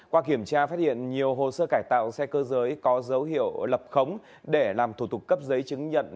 qua kiểm tra phát hiện nhiều hồ sơ cải tạo xe cơ giới có dấu hiệu lập khống để làm thủ tục cấp giấy chứng nhận